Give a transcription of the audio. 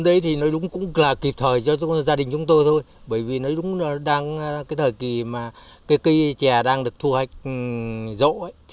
cho kênh trẻ cho gia đình chúng tôi từ năm hai nghìn một mươi bảy đến bây giờ